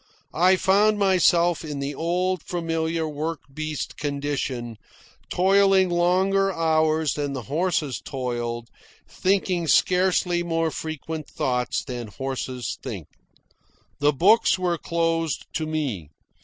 I found myself in the old familiar work beast condition, toiling longer hours than the horses toiled, thinking scarcely more frequent thoughts than horses think. The books were closed to me.